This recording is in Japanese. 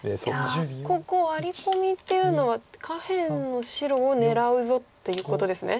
いやここワリコミっていうのは下辺の白を狙うぞっていうことですね。